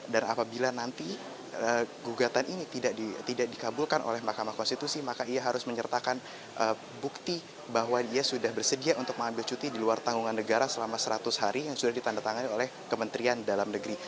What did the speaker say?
dan apabila nanti gugatan ini tidak dikabulkan oleh mahkamah konstitusi maka ia harus menyertakan bukti bahwa ia sudah bersedia untuk mengambil cuti di luar tanggungan negara selama seratus hari yang sudah ditandatangani oleh kementerian dalam negeri